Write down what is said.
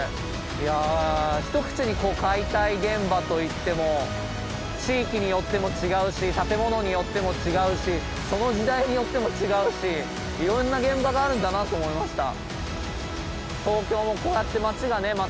いや一口に解体現場といっても地域によっても違うし建物によっても違うしその時代によっても違うしいろんな現場があるんだなと思いました。